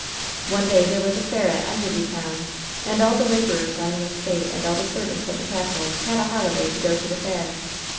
"One day there was a fair at Enderby Town, and all the laborers on the estate and all the servants at the castle had a holiday to go to the fair.